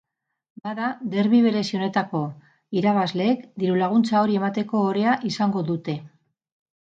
Bada, derbi berezi honetako irabazleek dirulaguntza hori emateko ohorea izango dute.